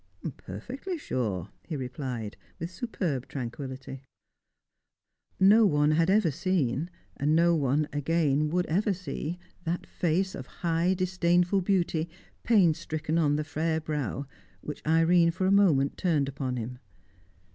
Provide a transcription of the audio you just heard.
"Perfectly sure," he replied, with superb tranquillity. No one had ever seen, no one again would ever see, that face of high disdainful beauty, pain stricken on the fair brow, which Irene for a moment turned upon him.